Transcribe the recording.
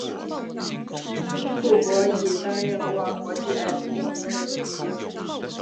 库珀亦担任过国际艾滋病学会主席。